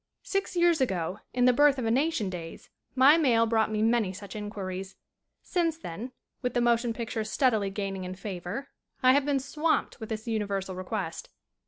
Six years ago in "The Birth of a Nation" days my mail brought me many such inquiries. Since then, with the motion pic ture steadily gaining in favor, I have been swamped with this universal request.